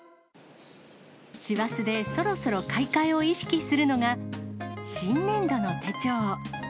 師走でそろそろ買い替えを意識するのが、新年度の手帳。